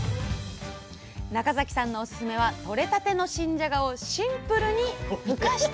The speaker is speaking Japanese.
中崎さんのおススメは取れたての新じゃがをシンプルにふかしたもの